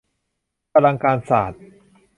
อลังการศาสตร์